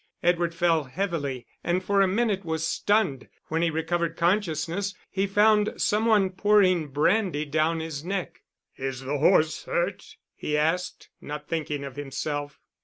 Edward fell heavily, and for a minute was stunned. When he recovered consciousness, he found some one pouring brandy down his neck. "Is the horse hurt?" he asked, not thinking of himself.